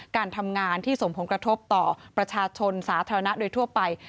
การทำงานที่สมผงกระทบต่อประชาชนสาธารณะโดยทั่วไป